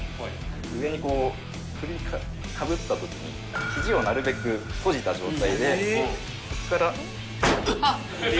上にこう、振りかぶったときに、ひじをなるべく閉じた状態で、きてる？